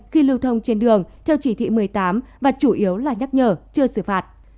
khi lưu thông trên đường theo chỉ thị một mươi tám và chủ yếu là nhắc nhở chưa xử phạt